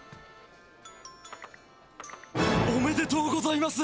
おめでとうございます。